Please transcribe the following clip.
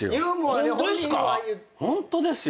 ホントですか？